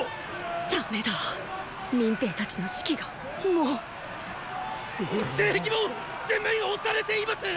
ダメだ民兵たちの士気がもう西壁も全面押されています！